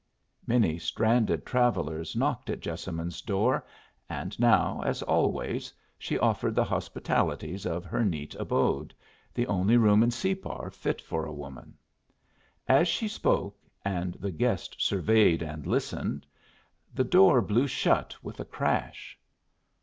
Many stranded travellers knocked at Jessamine's door, and now, as always, she offered the hospitalities of her neat abode, the only room in Separ fit for a woman. As she spoke, and the guest surveyed and listened, the door blew shut with a crash.